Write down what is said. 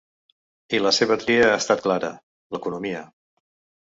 I la seva tria ha estat clara: l’economia.